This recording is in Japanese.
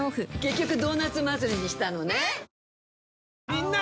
みんな！